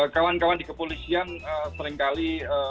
kawan kawan di kepolisian seringkali